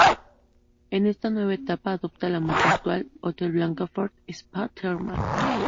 En esta nueva etapa adopta la marca actual, Hotel Blancafort Spa Termal.